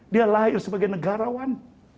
dia lahir sebagai negarawan